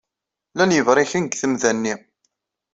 Llan yebṛiken deg temda-nni.